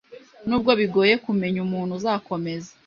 Nubwo bigoye kumenya umuntu uzakomeza